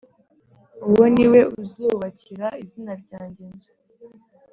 Uwo ni we uzubakira izina ryanjye inzu